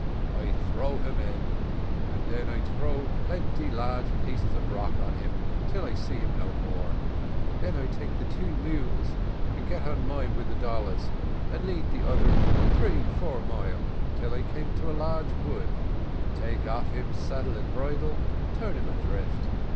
I throw him in, and den I throw plenty large pieces rock on him till I no see him any more; den I take de two mules and get on mine wid de dollars, and lead the other three four mile, till I come to a large wood take off him saddle and bridle, turn him adrift.